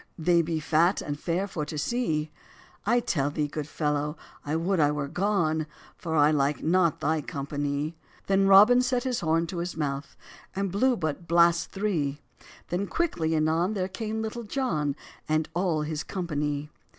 They be fat and fair for to see;" "I tell thee, good fellow, I would I were gone, For I like not thy company." Then Robin set his horn to his mouth, And blew but blasts three; Then quickly anon there came Little John, And all his company.